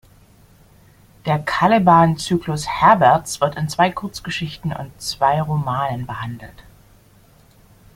Der Caleban-Zyklus Herberts wird in zwei Kurzgeschichten und zwei Romanen behandelt.